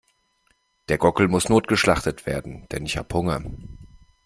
Der Gockel muss notgeschlachtet werden, denn ich habe Hunger.